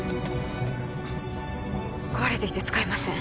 壊れていて使えません